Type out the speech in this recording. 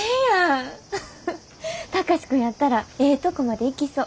貴司君やったらええとこまでいきそう。